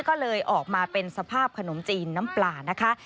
ก็เลยออกมาเป็นสภาพขนมจีนน้ำปลานะคะ